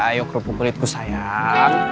ayo kerupuk kulitku sayang